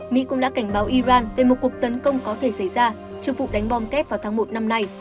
mỹ cũng đã cảnh báo iran về một cuộc tấn công có thể xảy ra trước vụ đánh bom kép vào tháng một năm nay